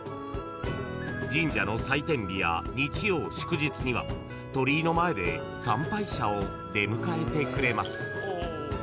［神社の祭典日や日曜祝日には鳥居の前で参拝者を出迎えてくれます］